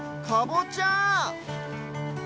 かぼちゃ！